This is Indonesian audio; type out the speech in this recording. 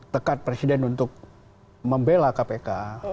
tekat presiden untuk membela kpk